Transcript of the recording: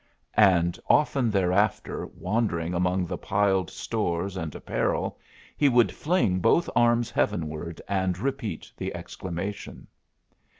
And often thereafter, wandering among the piled stores and apparel, he would fling both arms heavenward and repeat the exclamation.